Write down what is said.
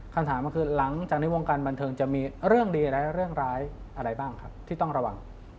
คำถามก็คือหลังจากในวงการบันเทิงจะมีเรื่องดีและเรื่องร้ายอะไรบ้างครับที่ต้องระวัง